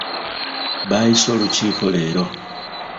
Baayise olukiiko leero.